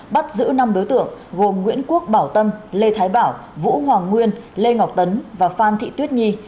bắt giữ năm đối tượng gồm nguyễn quốc bảo tâm lê thái bảo vũ hoàng nguyên lê ngọc tấn và phan thị tuyết nhi